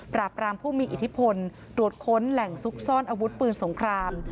รามผู้มีอิทธิพลตรวจค้นแหล่งซุกซ่อนอาวุธปืนสงคราม